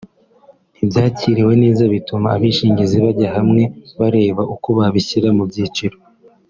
ntibyakiriwe neza bituma abishingizi bajya hamwe bareba uko babishyira mu byiciro